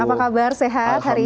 apa kabar sehat hari ini